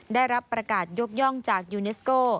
ได้รับประกาศยกย่องจากยูเนสโก